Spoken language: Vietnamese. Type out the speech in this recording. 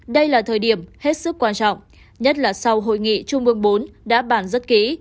đây là thời điểm hết sức quan trọng nhất là sau hội nghị trung ương bốn đã bàn rất kỹ